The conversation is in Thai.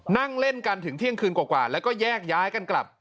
นั่งเล่นกันถึงเที่ยงคืนกว่าแล้วก็แยกย้ายกันกลับ